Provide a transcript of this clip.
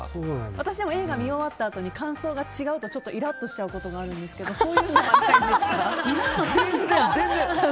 私、映画見終わったあとに感想が違うとちょっとイラッとしちゃうことがあるんですけど全然！